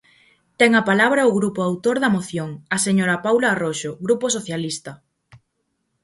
Ten a palabra o grupo autor da moción, a señora Paulo Arroxo, Grupo Socialista.